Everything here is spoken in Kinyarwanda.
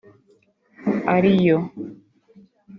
ari yo